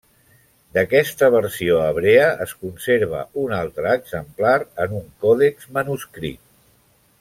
D'aquesta versió hebrea es conserva un altre exemplar en un còdex manuscrit.